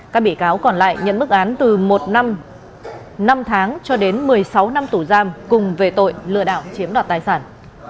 các bị cáo còn lại nhận mức án từ một năm tháng cho đến một mươi sáu năm tù giam cùng về tội lừa đảo chiếm đoạt tài sản